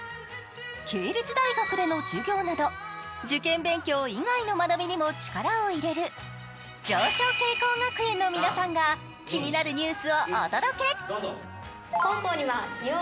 系列大学での授業など受験勉強以外の学びにも力を入れる、常翔啓光学園の皆さんが気になるニュースをお届け。